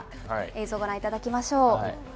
映像ご覧いただきましょう。